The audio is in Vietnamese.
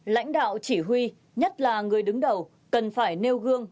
lãnh đạo chỉ huy nhất là người đứng đầu cần phải nêu gương